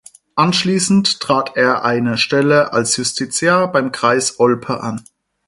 Anschließend trat er eine Stelle als Justiziar beim Kreis Olpe an.